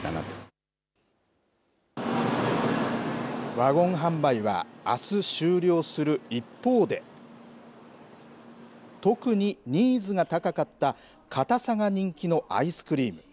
ワゴン販売はあす終了する一方で、特にニーズが高かった、固さが人気のアイスクリーム。